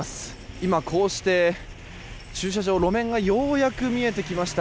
今こうして、駐車場路面がようやく見えてきました。